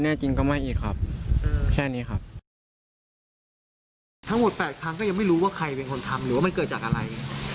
จริงก็ไม่อีกครับแค่นี้ครับทั้งหมดแปดครั้งก็ยังไม่รู้ว่าใครเป็นคนทำหรือว่ามันเกิดจากอะไร